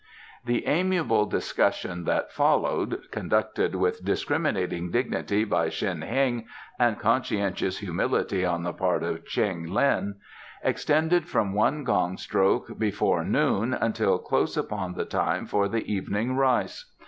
The amiable discussion that followed, conducted with discriminating dignity by Shen Heng and conscientious humility on the part of Cheng Lin, extended from one gong stroke before noon until close upon the time for the evening rice.